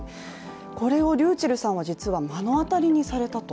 これをｒｙｕｃｈｅｌｌさんは目の当たりにされたと、